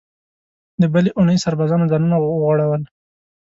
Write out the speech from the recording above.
د بلې اوونۍ سربازانو ځانونه وغوړول.